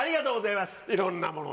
いろんなもの